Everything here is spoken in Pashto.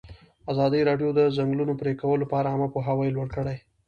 ازادي راډیو د د ځنګلونو پرېکول لپاره عامه پوهاوي لوړ کړی.